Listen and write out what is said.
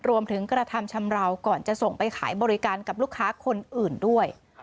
รวมถึงกระทำชำราวก่อนจะส่งไปขายบริการกับลูกค้าคนอื่นด้วย